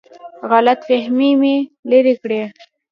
غلط فهمۍ به لرې کړي.